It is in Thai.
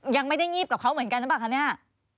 โอ้ยังไม่ได้งีบกับเขาเหมือนกันน่ะบ้างคะเนี่ย